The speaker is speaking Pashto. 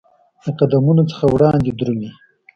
د قدمونو څخه وړاندي درومې